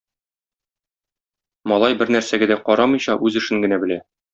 Малай бернәрсәгә дә карамыйча үз эшен генә белә.